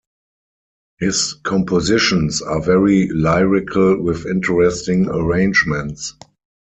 His compositions are very lyrical with interesting arrangements.